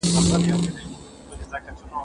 کېدای سي اوبه سړې وي؟!